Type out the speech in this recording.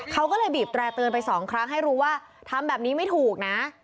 เขาก็เลยบีบแตร่เตือนไปสองครั้งให้รู้ว่าทำแบบนี้ไม่ถูกนะ